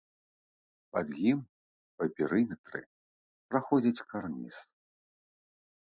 Пад ім па перыметры праходзіць карніз.